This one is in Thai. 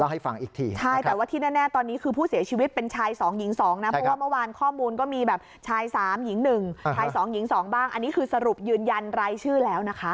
อันนี้คือสรุปยืนยันรายชื่อแล้วนะคะ